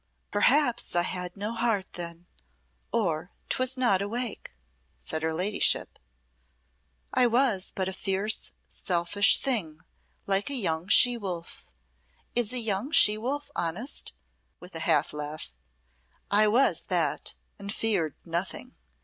"Perhaps I had no heart then, or 'twas not awake," said her ladyship. "I was but a fierce, selfish thing, like a young she wolf. Is a young she wolf honest?" with a half laugh. "I was that, and feared nothing.